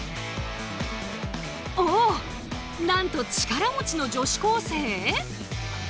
おおっなんと力持ちの女子高生？